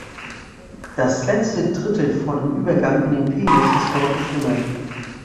Das letzte Drittel vor dem Übergang in den Penis ist deutlich dünner.